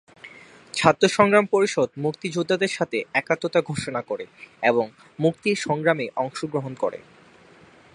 ছাত্র সংগ্রাম পরিষদ মুক্তিযোদ্ধাদের সাথে একাত্মতা ঘোষণা করে এবং মুক্তির সংগ্রামে অংশগ্রহণ করে।